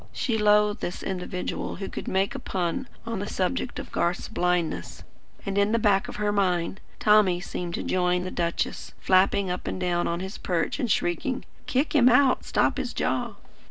She loathed this individual who could make a pun on the subject of Garth's blindness, and, in the back of her mind, Tommy seemed to join the duchess, flapping up and down on his perch and shrieking: "Kick him out! Stop his jaw!"